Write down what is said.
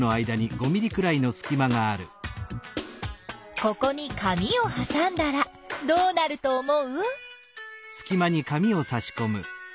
ここに紙をはさんだらどうなると思う？